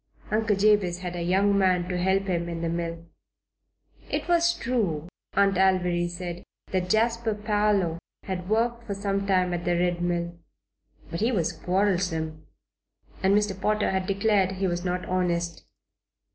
Uncle Jabez had a young man to help him in the mill. It was true, Aunt Alviry said, that Jasper Parloe had worked for some time at the Red Mill; but he was quarrelsome and Mr. Potter had declared he was not honest.